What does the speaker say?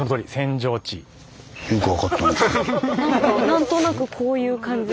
何となくこういう感じ